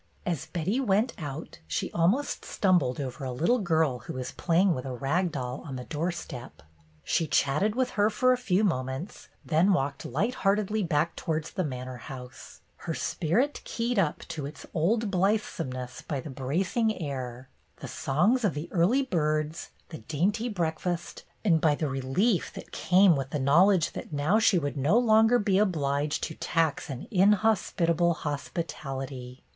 As Betty went out, she almost stumbled over a little girl who was playing with a rag doll on the doorstep. She chatted with her for a few moments, then walked light heartedly back towards the manor house, her spirit keyed up ii6 BETTY BAIRD^S GOLDEN YEAR to its old blithesomeness by the bracing air, the songs of the early birds, the dainty break fast, and by the relief that came with the knowledge that now she would no longer be obliged to tax an inhospitable hospitality.